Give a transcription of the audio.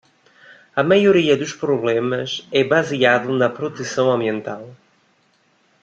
A maioria dos problemas é baseada na proteção ambiental.